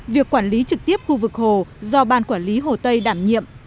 việc quản lý trực tiếp khu vực hồ do ban quản lý hồ tây đảm nhiệm